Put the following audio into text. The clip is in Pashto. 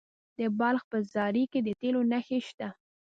د بلخ په زاري کې د تیلو نښې شته.